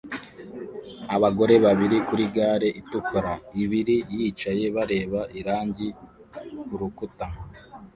abagore babiri kuri gare itukura ibiri yicaye bareba irangi kurukuta